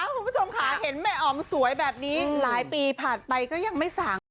คุณผู้ชมค่ะเห็นแม่อ๋อมสวยแบบนี้หลายปีผ่านไปก็ยังไม่สั่ง